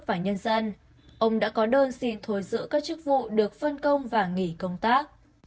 và nhân dân ông đã có đơn xin thôi giữ các chức vụ được phân công và nghỉ công tác